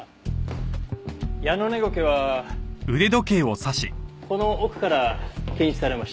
ヤノネゴケはこの奥から検出されました。